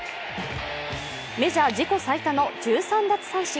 メジャー自己最多の１３奪三振。